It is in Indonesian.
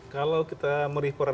kalau kita merifer